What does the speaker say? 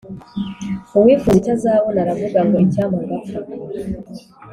Uwifuza icyo azabona aravuga ngo icyampa ngapfa.